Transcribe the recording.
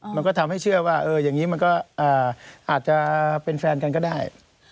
มันก็ทำให้เชื่อว่าอย่างนี้มันก็อาจจะเป็นแฟนกันก็ได้